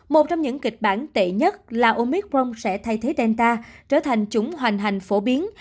một trong những kịch bản tệ nhất là omicron sẽ thay thế tenta trở thành chủng hoành hành phổ biến